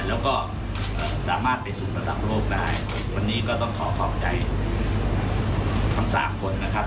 แล้วก็สามารถไปสู่ระดับโลกได้วันนี้ก็ต้องขอขอบใจทั้งสามคนนะครับ